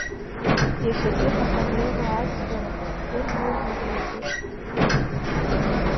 Иахьатәи ҳапроблема аӡбра кыр иурмариаӡеит.